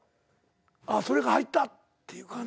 それが入ったっていう感じ？